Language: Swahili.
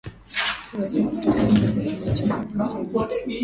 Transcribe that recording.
iweze kutoka kile ambacho hakihitajiki